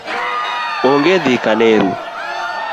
Onge dhi kaneru